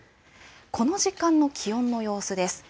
この時間の気温の様子です。